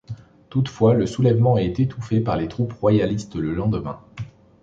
Toutefois, le soulèvement est étouffé par les troupes royalistes le lendemain.